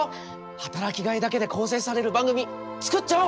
働きがいだけで構成される番組作っちゃおう！